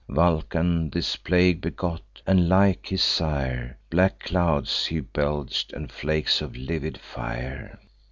Vulcan this plague begot; and, like his sire, Black clouds he belch'd, and flakes of livid fire.